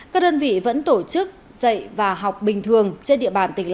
các đơn vị vẫn tổ chức dạy và học bình thường trên địa bàn tỉnh lê